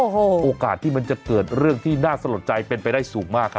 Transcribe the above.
โอ้โหโอกาสที่มันจะเกิดเรื่องที่น่าสะลดใจเป็นไปได้สูงมากครับ